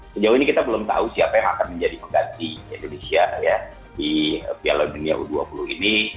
sejauh ini kita belum tahu siapa yang akan menjadi pengganti indonesia di piala dunia u dua puluh ini